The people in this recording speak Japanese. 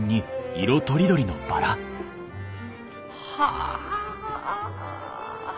はあ。